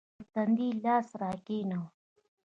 پر تندي يې لاس راکښېښوو.